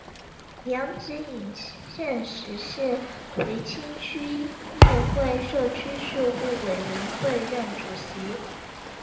梁子颖现时是葵青区议会社区事务委员会任主席。